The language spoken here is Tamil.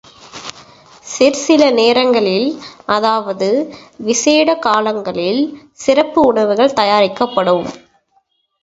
சிற்சில நேரங்களில், அஃதாவது விசேட காலங்களில் சிறப்பு உணவுகள் தயாரிக்கப்படும்.